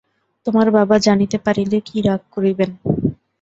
তোমার বাবা জানিতে পারিলে কি রাগ করিবেন।